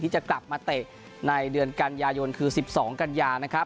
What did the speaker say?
ที่จะกลับมาเตะในเดือนกันยายนนคือ๑๒กันยา